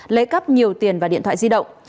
lấy cắp nhiều tiền và điện thoại di động